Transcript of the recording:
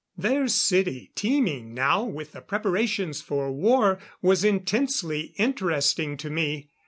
] Their city, teeming now with the preparations for war, was intensely interesting to me.